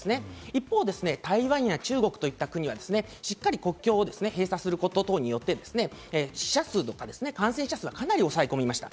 一方、台湾や中国といった国は、しっかり国境を閉鎖することによって、死者数とか感染者数はかなり抑え込みました。